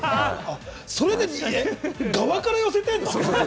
それで側から寄せてるの？